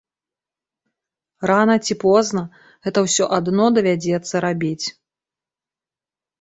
Рана ці позна гэта ўсё адно давядзецца рабіць.